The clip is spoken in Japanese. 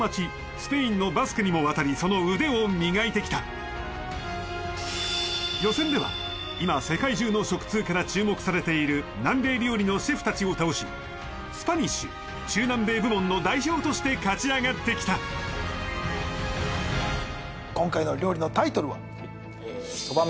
スペインのバスクにも渡りその腕を磨いてきた予選では今世界中の食通から注目されている南米料理のシェフたちを倒しスパニッシュ・中南米部門の代表として勝ち上がってきた今回の料理のタイトルは？